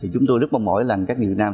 chúng tôi rất mong mỏi là các người việt nam